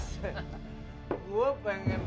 kaka akan buktikan semuanya li